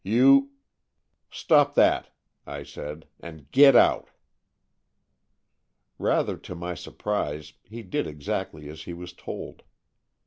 You "" Stop that," I said, '' and get out !" Rather to my surprise, he did exactly as he was told.